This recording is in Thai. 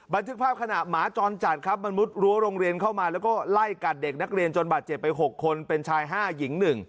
บันทึกภาพขณะหมาจรจัดครับมันมุดรั้วโรงเรียนเข้ามาแล้วก็ไล่กัดเด็กนักเรียนจนบาดเจ็บไป๖คนเป็นชาย๕หญิง๑